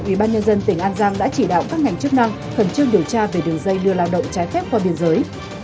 ubnd tỉnh an giang đã chỉ đạo các ngành chức năng khẩn trương điều tra về đường dây đưa lao động trái phép qua biển giới